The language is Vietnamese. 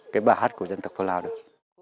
cái bài hát của dân tộc lao được